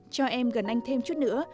cho em gần anh thêm chút nữa